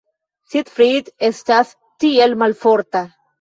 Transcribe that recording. Siegfried estas tiel malforta.